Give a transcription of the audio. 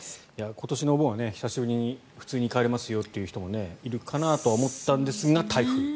今年のお盆は久しぶりに普通に帰れますよという人もいるかなと思ったんですが台風。